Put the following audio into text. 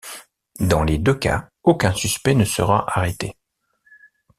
Dans les deux cas, aucun suspect ne sera arrêté.